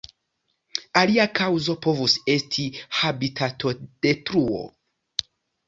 Alia kaŭzo povus esti habitatodetruo.